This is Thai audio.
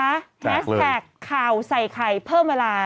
แฮชแท็กข่าวใส่ไข่เพิ่มเวลา